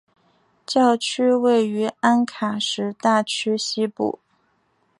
教区位于安卡什大区西部。